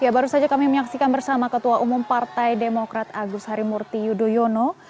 ya baru saja kami menyaksikan bersama ketua umum partai demokrat agus harimurti yudhoyono